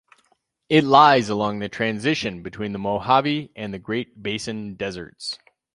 It lies along the transition between the Mojave and the Great Basin Deserts.